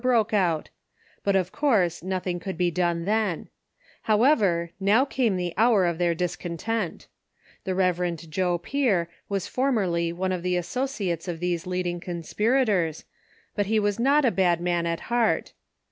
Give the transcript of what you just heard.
381 broke out, but of course nothing could be done then ; how ever, now came tlie hour of their discontent. Tlie llev. Joe Pier was formerly one of the associates of these leading conspirators, but he was not a bad man at heart.